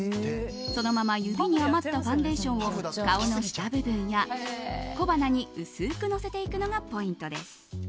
そのまま指に余ったファンデーションを顔の下部分や小鼻に薄くのせていくのがポイントです。